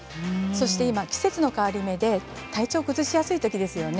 今は季節の変わり目で体調を崩しやすいときですよね。